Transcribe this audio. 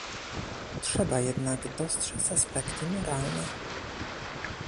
Trzeba jednak dostrzec aspekty moralne